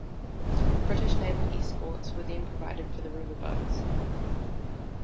British naval escorts were then provided for the riverboats.